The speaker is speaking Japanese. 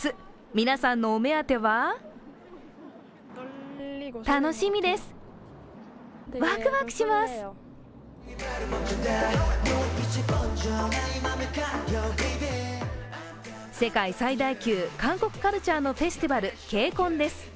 皆さんのお目当ては世界最大級、韓国カルチャーのフェスティバル、ＫＣＯＮです。